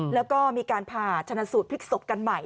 แล้วก็มีการผ่าชนะสูตรพลิกศพกันใหม่